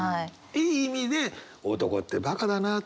いい意味で男ってバカだなっていうね。